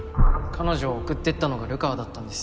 彼女を送って行ったのが流川だったんです。